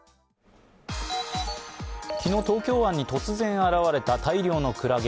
昨日、東京湾に突然現れた大量のクラゲ。